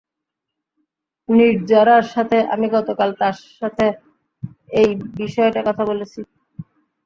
নির্জারার সাথে, আমি গতকাল তার সাথে এই বিষয়টা কথা বলেছি।